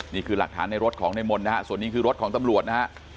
นี่คือหลักฐานในรถของในมนต์นะฮะส่วนนี้คือรถของตำรวจนะฮะ